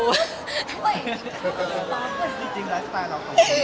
จริงรายสไตล์เราของเจ้า